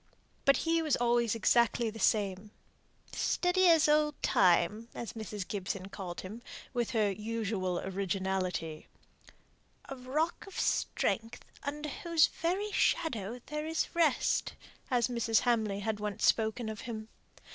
But he was always exactly the same; "steady as old Time," as Mrs. Gibson called him, with her usual originality; "a rock of strength, under whose very shadow there is rest," as Mrs. Hamley had once spoken of him.